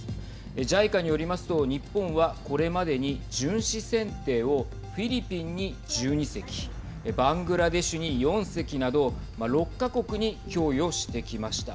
ＪＩＣＡによりますと日本はこれまでに巡視船艇をフィリピンに１２隻バングラデシュに４隻など６か国に供与してきました。